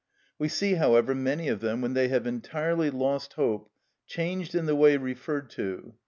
We see, however, many of them, when they have entirely lost hope, changed in the way referred to.